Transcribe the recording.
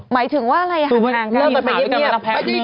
หมายถึงว่าอะไรห่างกันหรือเปล่าเริ่มต่อไปเย็บหนึ่ง